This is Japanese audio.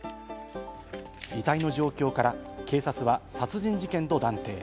遺体の状況から警察は殺人事件と断定。